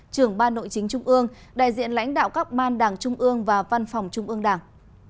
trưởng ban nội chính trung ương đại diện lãnh đạo các ban đảng trung ương và văn phòng trung ương đảng